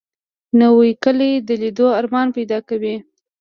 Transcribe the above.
نوې کلی د لیدو ارمان پیدا کوي